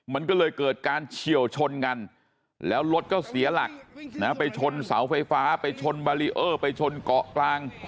มันก็เลยเกิดการเฉียวชนกันแล้วรถก็เสียหลักไปชนเสาไฟฟ้าไปชนบารีเออร์ไปชนเกาะกลาง